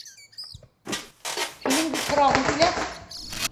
- Һинең бит һорағың килә?